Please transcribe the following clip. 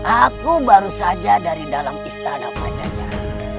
aku baru saja dari dalam istana pak cacat